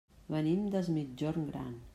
Venim des Migjorn Gran.